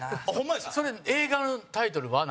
陣内：映画のタイトルは何？